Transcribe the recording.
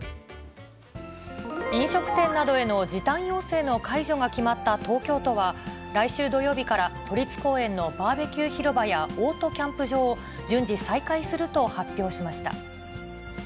飲食店などへの時短要請の解除が決まった東京都は、来週土曜日から、都立公園のバーベキュー広場やオートキャンプ場を順次、再開すると発表しました。